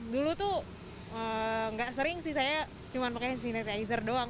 dulu tuh gak sering sih saya cuma pakai hand sanitizer doang